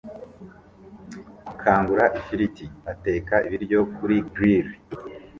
Kangura ifiriti ateka ibiryo kuri grill